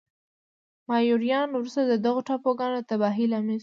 مایوریان وروسته د دغو ټاپوګانو د تباهۍ لامل شول.